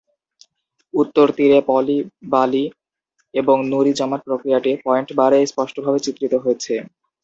উত্তল তীরে পলি, বালি এবং নুড়ি জমার প্রক্রিয়াটি পয়েন্ট বার-এ স্পষ্টভাবে চিত্রিত হয়েছে।